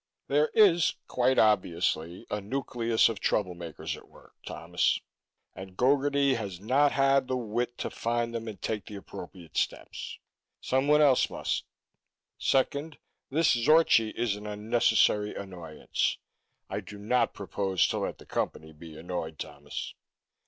There is quite obviously a nucleus of troublemakers at work, Thomas, and Gogarty has not had the wit to find them and take the appropriate steps. Someone else must. Second, this Zorchi is an unnecessary annoyance. I do not propose to let the Company be annoyed, Thomas.